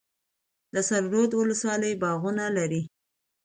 د سره رود ولسوالۍ باغونه لري